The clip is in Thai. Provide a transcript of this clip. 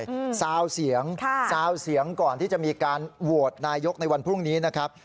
ซาวเสียงค่ะซาวเสียงก่อนที่จะมีการโหวตนายกในวันพรุ่งนี้นะครับ